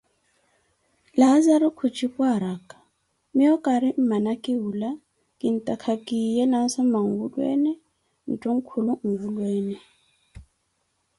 Laazaro khunjipu araka: miiyo kaari mmana khiwula kintaaka khiye na nsoma nwulweene, nthunkulu nwulweene.